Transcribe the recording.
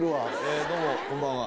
どうもこんばんは。